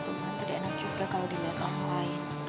tuhan tidak enak juga kalau dilihat orang lain